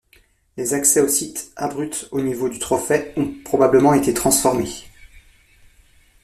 Les accès au site, abrupts au niveau du trophée, ont probablement été transformés.